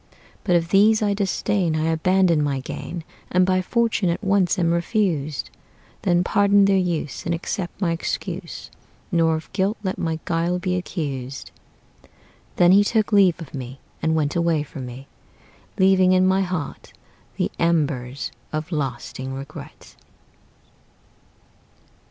But if these I disdain, I abandon my gain, And by fortune at once am refused: Then pardon their use, And accept my excuse, Nor of guilt let my guile be accused." Then he took leave of me, and went away from me, Leaving in my heart the embers of lasting regret.